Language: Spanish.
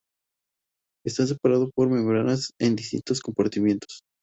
Está separado por membranas en distintos compartimientos.